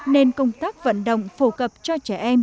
nên công tác vận động phổ cập cho trẻ em